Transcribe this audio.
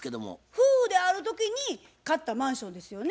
夫婦である時に買ったマンションですよね。